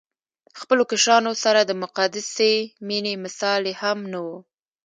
خپلو کشرانو سره د مقدسې مينې مثال يې هم نه وو